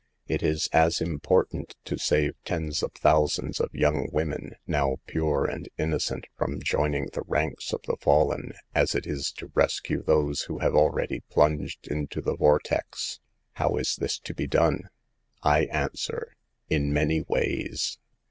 It is as important to save tens of thousands of young women, now pure and innocent, from joining the ranks of the fallen, as it is to rescue those who have already plunged into the vortex. How is this to be done ? I answer, " In many ways."